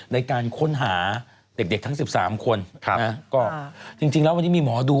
ในการค้นหาเด็กเด็กทั้ง๑๓คนก็จริงแล้ววันนี้มีหมอดู